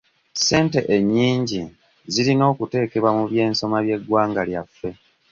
Ssente ennyingi zirina okuteekebwa mu by'ensoma by'eggwanga lyaffe.